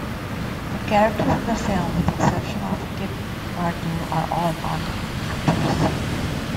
The characters in the film, with the exception of Kip Pardue, are all non-actors.